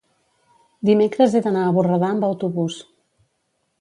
dimecres he d'anar a Borredà amb autobús.